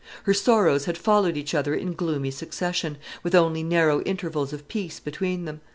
Her sorrows had followed each other in gloomy succession, with only narrow intervals of peace between them.